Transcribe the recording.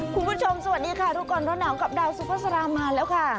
คุณผู้ชมสวัสดีค่ะทุกคนร้อนหนังกับดาวซูฟ้าสรามมาแล้วค่ะ